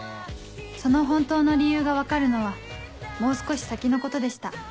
その本当の理由が分かるのはもう少し先のことでした